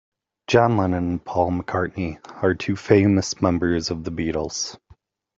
John Lennon and Paul McCartney are two famous members of the Beatles.